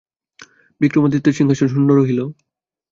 বিক্রমাদিত্যের সিংহাসন শূন্য রহিল।